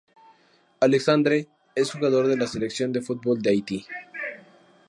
Alexandre es jugador de la Selección de fútbol de Haití.